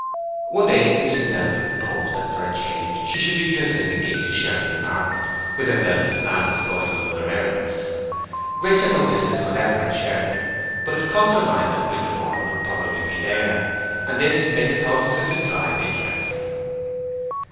One day Mrs. Melbury proposed that for a change she should be driven in the gig to Sherton market, whither Melbury's man was going on other errands. Grace had no business whatever in Sherton; but it crossed her mind that Winterborne would probably be there, and this made the thought of such a drive interesting.